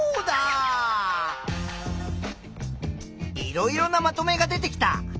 いろいろなまとめが出てきた！